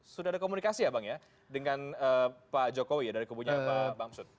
sudah ada komunikasi ya bang ya dengan pak jokowi ya dari kubunya pak bamsud